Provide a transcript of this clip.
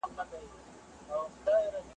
چي قلم پورته کومه کردګار ته غزل لیکم `